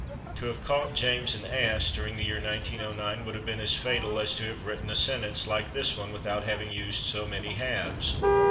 To have called James an ass, during the year 1909, would have been as fatal as to have written a sentence like this one without having used so many haves.